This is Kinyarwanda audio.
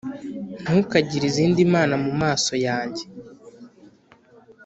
Ntukagire izindi mana mu maso yanjye